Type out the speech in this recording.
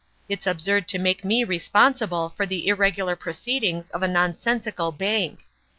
It's absurd to make me responsible for the irregular proceedings of a nonsensical Bank.